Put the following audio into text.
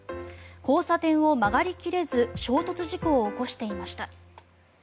交差点を曲がり切れず衝突事故を起こしていました。